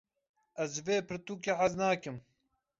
Ez ji vê pirtûkê hez nakim.